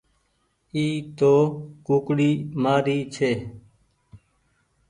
اي تو ڪوڪڙي مآري ڇي۔